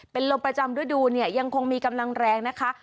เป็นลมประจำฤดูเนี่ยยังคงมีกำลังแรงนะคะ